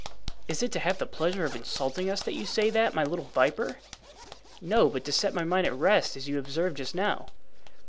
"Is it to have the pleasure of insulting us that you say that, my little viper?" "No, but to set my mind at rest, as you observed just now."